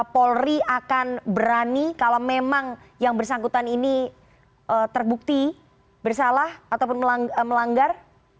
polri akan berani kalau memang yang bersangkutan ini terbukti bersalah ataupun melanggar